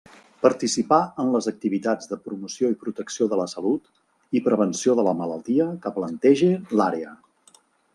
Participar en les activitats de promoció i protecció de la salut i prevenció de la malaltia que plantege l'àrea.